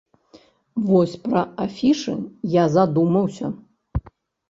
Вось пра афішы я задумаўся.